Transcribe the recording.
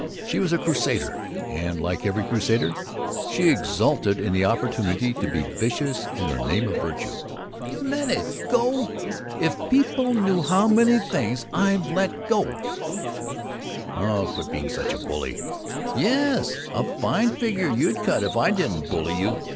She was a crusader and, like every crusader, she exulted in the opportunity to be vicious in the name of virtue. "Let it go? If people knew how many things I've let go " "Oh, quit being such a bully." "Yes, a fine figure you'd cut if I didn't bully you!